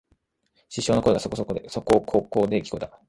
失笑の声がそこここで聞えた